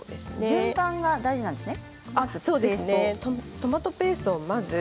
順番が大事なんですね。